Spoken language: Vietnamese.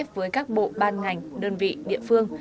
với các bộ ban ngành đơn vị địa phương